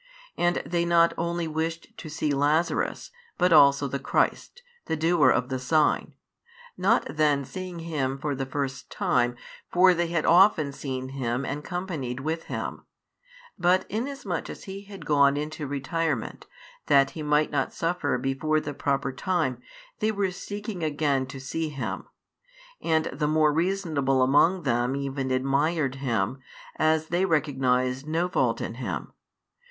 And they not only wished to see Lazarus, but also the Christ, the doer of the sign; not then seeing Him for the first time, for they had often seen Him and companied with Him; but inasmuch as He had gone into retirement, that He might not suffer before the proper time, they were seeking again to see Him: and the more reasonable among them even admired Him, as they recognised no fault in Him.